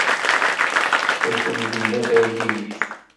Teṭṭef-iten dinna tergigit.